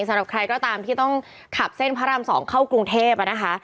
สำหรับใครก็ตามที่ต้องขับเส้นพระราม๒เข้ากรุงเทพนะคะ